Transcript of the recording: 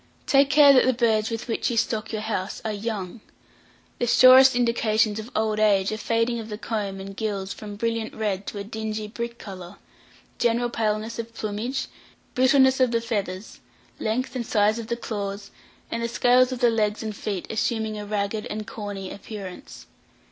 Take care that the birds with which you stock your house are young. The surest indications of old age are fading of the comb and gills from brilliant red to a dingy brick colour, general paleness of plumage, brittleness of the feathers, length and size of the claws, and the scales of the legs and feet assuming a ragged and corny appearance.